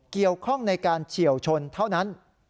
เกี่ยวข้องในการเฉียวชนเท่านั้น